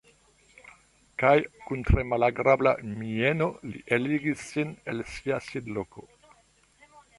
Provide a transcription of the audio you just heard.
Kaj kun tre malagrabla mieno li eligis sin el sia sidloko.